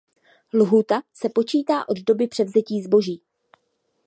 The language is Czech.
Lhůta se počítá od doby převzetí zboží.